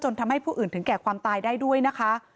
ทำให้ผู้อื่นถึงแก่ความตายได้ด้วยนะคะ